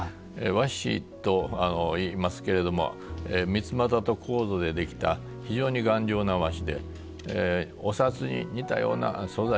和紙と言いますけれどもミツマタとコウゾで出来た非常に頑丈な和紙でお札に似たような素材です。